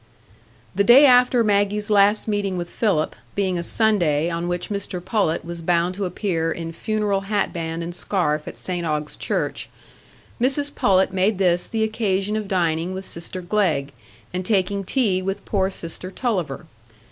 The day after Maggie's last meeting with Philip, being a Sunday on which Mr Pullet was bound to appear in funeral hatband and scarf at St Ogg's church, Mrs Pullet made this the occasion of dining with sister Glegg, and taking tea with poor sister Tulliver.